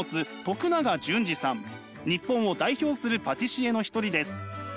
日本を代表するパティシエの一人です。